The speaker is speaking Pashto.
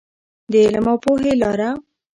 د علم او پوهې لاره.